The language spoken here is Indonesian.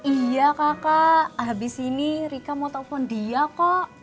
iya kakak habis ini rika mau telepon dia kok